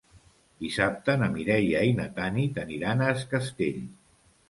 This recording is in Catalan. Dissabte na Mireia i na Tanit aniran a Es Castell.